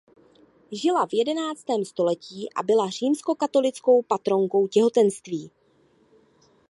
Žila v jedenáctém století a byla římskokatolickou patronkou těhotenství.